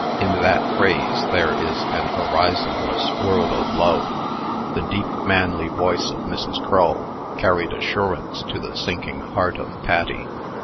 In that phrase there is an horizonless world of love. The deep, manly voice of Mrs. Crull carried assurance to the sinking heart of Patty.